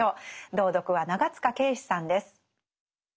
朗読は長塚圭史さんです。